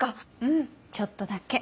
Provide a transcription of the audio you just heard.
うんちょっとだけ。